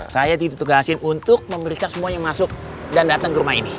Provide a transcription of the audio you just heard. saya ditugasin untuk memberikan semuanya masuk dan datang ke rumah ini